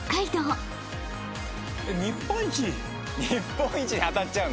日本一に当たっちゃうの！？